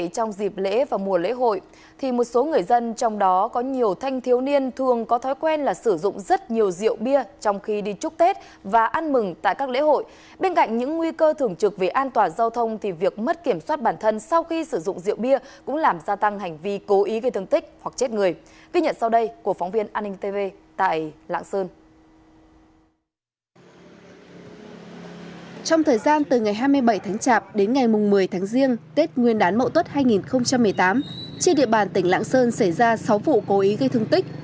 trong thời gian từ ngày hai mươi bảy tháng chạp đến ngày mùng một mươi tháng riêng tết nguyên đán mậu tốt hai nghìn một mươi tám trên địa bàn tỉnh lạng sơn xảy ra sáu vụ cố ý gây thương tích